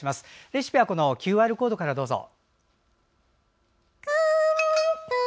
レシピはＱＲコードからどうぞ。